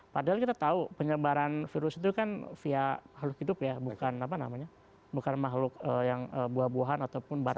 padahal kita tahu penyebaran virus itu kan via makhluk hidup ya bukan apa namanya bukan makhluk yang buah buahan ataupun barang